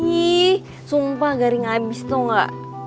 ih sumpah garing abis tau gak